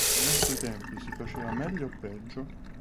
Ai nostri tempi si faceva meglio o peggio?